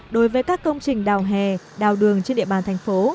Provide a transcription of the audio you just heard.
đối với các công trình đào hè đào đường trên địa bàn thành phố